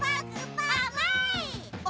あまい！